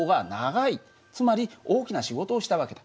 つまり大きな仕事をした訳だ。